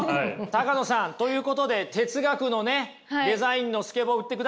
高野さんということで哲学のねデザインのスケボー売ってください。